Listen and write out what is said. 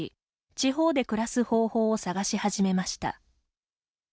地方で暮らす方法を探し始めました。